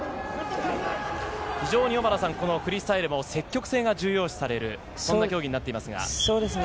非常にフリースタイルも積極性が重要視される競技になっていますね。